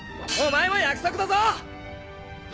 お前も約束だぞ！